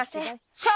ショー！